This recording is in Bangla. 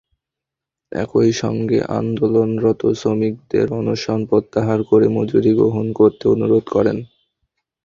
একই সঙ্গে আন্দোলনরত শ্রমিকদের অনশন প্রত্যাহার করে মজুরি গ্রহণ করতে অনুরোধ করেন।